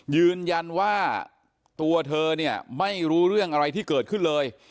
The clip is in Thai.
ยืนยันว่าตัวเธอเนี่ยไม่รู้เรื่องอะไรที่เกิดขึ้นเลย